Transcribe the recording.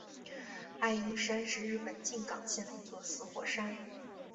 爱鹰山是日本静冈县的一座死火山。